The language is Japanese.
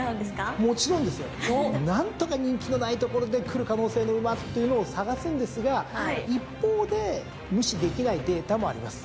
もちろんですよ。何とか人気のないところでくる可能性の馬っていうのを探すんですが一方で無視できないデータもあります。